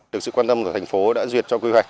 được sự quan tâm của thành phố đã duyệt cho quy hoạch